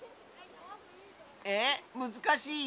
えっ？むずかしい？